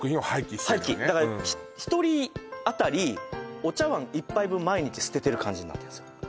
廃棄だから１人当たりお茶碗１杯分毎日捨ててる感じになってんすよ